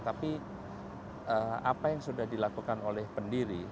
tapi apa yang sudah dilakukan oleh pendiri